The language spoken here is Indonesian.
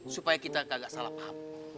supaya kita agak salah paham